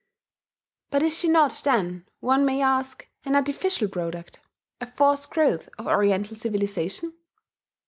But is she not, then, one may ask, an artificial product, a forced growth of Oriental civilization?